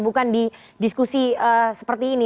bukan di diskusi seperti ini